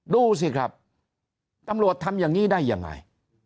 ดูสิครับตำรวจทำอย่างนี้ได้ยังไง